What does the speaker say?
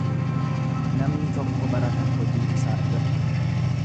Namni tokko barata hojii isaa irratti.